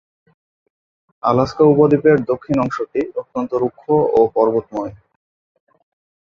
Alaska উপদ্বীপের দক্ষিণ অংশটি অত্যন্ত রুক্ষ ও পর্বতময়।